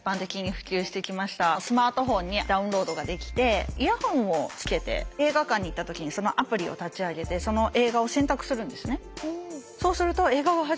スマートフォンにダウンロードができてイヤホンをつけて映画館に行った時にそのアプリを立ち上げてその映画を選択するんですね。